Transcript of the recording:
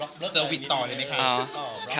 รักจะเอาวินต์ต่อเลยไหมคะ